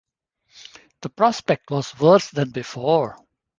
The prospect was worse than before.